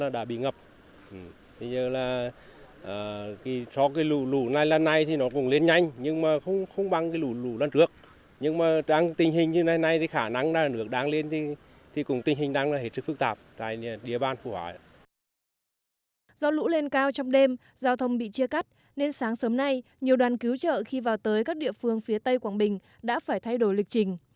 do lũ lên cao trong đêm giao thông bị chia cắt nên sáng sớm nay nhiều đoàn cứu trợ khi vào tới các địa phương phía tây quảng bình đã phải thay đổi lịch trình